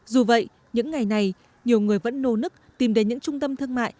dù vậy những ngày này nhiều người vẫn nô nức tìm đến những trung tâm thương mại